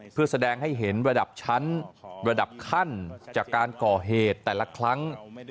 เพื่อแสดงให้เห็นระดับชั้นระดับขั้นจากการก่อเหตุแต่ละครั้ง